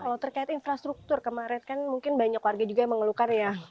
kalau terkait infrastruktur kemarin kan mungkin banyak warga juga yang mengeluhkan ya